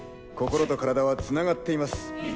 心と体はつながっています。